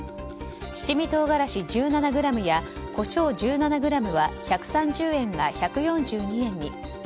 七味唐がらし１７ｇやコショー１７ｇは１３０円が１４２円に。